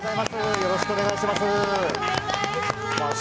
よろしくお願いします。